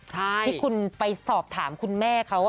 ที่คุณไปสอบถามคุณแม่เขา